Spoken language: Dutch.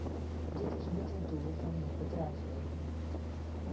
Dit is niet het doel van het bedrijfsleven.